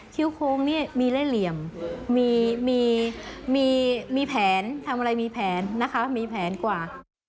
้วโค้งนี่มีเล่เหลี่ยมมีแผนทำอะไรมีแผนนะคะมีแผนกว่า